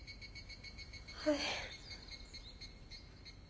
はい。